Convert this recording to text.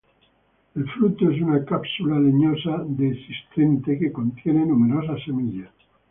El fruto es una cápsula leñosa dehiscente que contiene numerosas semillas.